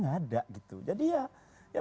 nggak ada jadi ya